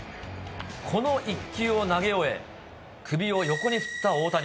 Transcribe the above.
この１球を投げ終え、首を横に振った大谷。